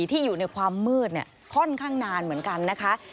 ที่อยู่ในความมืดค่อนข้างนานเหมือนกันนะคะ